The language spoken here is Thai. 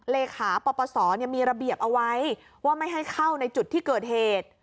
เลขาปปศมีระเบียบเอาไว้ว่าไม่ให้เข้าในจุดที่เกิดเหตุ